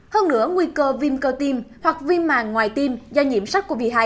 hơn nữa nguy cơ viêm cơ tim hoặc viêm màng ngoài tim do nhiễm sắc covid một mươi chín